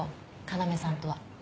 要さんとは。